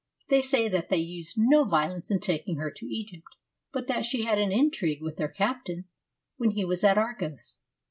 They say that they used no violence in taking her to Egypt, but that she had an intrigue with their captain when he was at Argos.